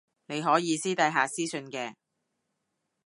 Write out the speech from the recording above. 你可以私底下私訊嘅